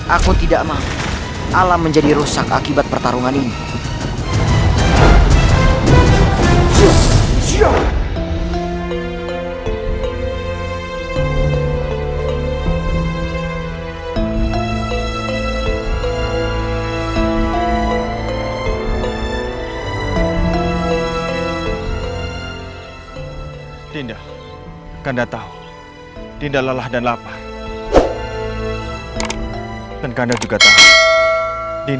aku tidak mau alam menjadi rusak akibat pertarungan ini